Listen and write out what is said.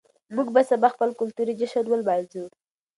موږ به سبا خپل کلتوري جشن ولمانځو.